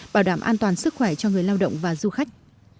bảo đảm an toàn sức khỏe cho người lao động và du khách